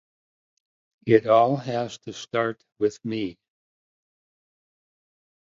It all has to start with me.